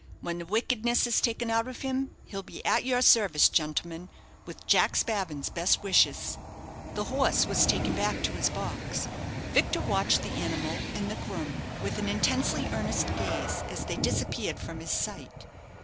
When the wickedness is taken out of him, he'll be at your service, gentlemen, with Jack Spavin's best wishes." The horse was taken back to his box. Victor watched the animal and the groom with an intensely earnest gaze as they disappeared from his sight.